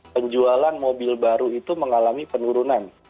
penjualan mobil baru itu mengalami penurunan